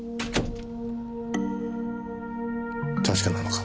確かなのか？